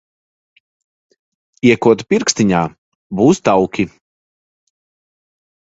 Iekod pirkstiņā, būs tauki.